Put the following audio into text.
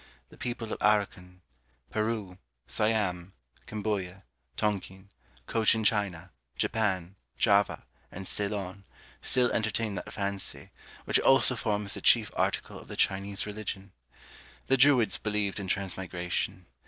The people of Arracan, Peru, Siam, Camboya, Tonquin, Cochin China, Japan, Java, and Ceylon still entertain that fancy, which also forms the chief article of the Chinese religion. The Druids believed in transmigration.